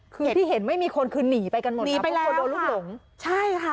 คือที่เห็นไม่มีคนคือหนีไปกันหมดหนีไปแล้วคนโดนลูกหลงใช่ค่ะ